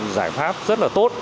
giải pháp rất là tốt